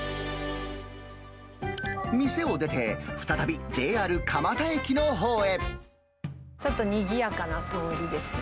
店を出て、ちょっとにぎやかな通りですね。